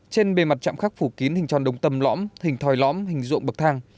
trên bề mặt chạm khắc phủ kín hình tròn đồng tầm lõm hình thòi lõm hình ruộng bậc thang